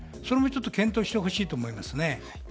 それもちょっと検討してほしいと思います。